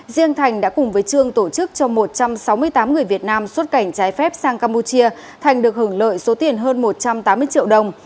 riêng thành đã cùng với trương tổ chức cho một trăm sáu mươi tám người việt nam xuất cảnh trái phép sang campuchia thành được hưởng lợi số tiền hơn một trăm tám mươi triệu đồng